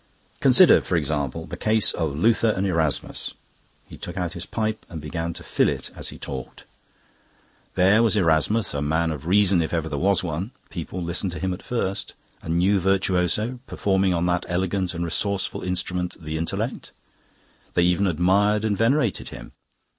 "Consider, for example, the case of Luther and Erasmus." He took out his pipe and began to fill it as he talked. "There was Erasmus, a man of reason if ever there was one. People listened to him at first a new virtuoso performing on that elegant and resourceful instrument, the intellect; they even admired and venerated him.